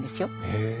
へえ。